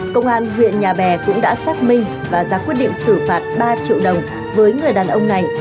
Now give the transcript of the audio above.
công an huyện nhà bè cũng đã xác minh và ra quyết định xử phạt ba triệu đồng với người đàn ông này